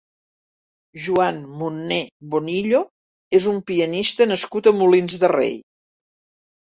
Joan Monné Bonillo és un pianista nascut a Molins de Rei.